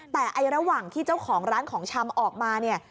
แต่ระหว่างที่เจ้าของร้านของชำออกมาเนี่ย